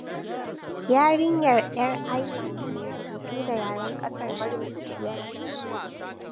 Yarinyar ƴar Iland me rubutu da yaran ƙasar, marubuciya ce.